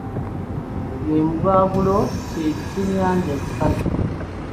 Embwagulo kye kyennyanja ekikalu.